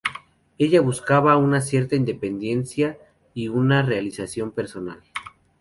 Ella buscaba una cierta independencia y una realización personal.